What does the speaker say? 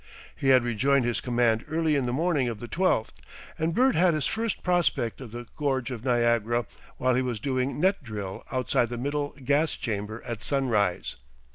He had rejoined his command early in the morning of the twelfth, and Bert had his first prospect of the Gorge of Niagara while he was doing net drill outside the middle gas chamber at sunrise.